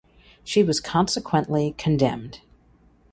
She was consequently condemned.